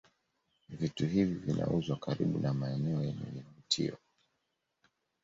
Vitu hivi vinauzwa karibu na maeneo yenye vivutio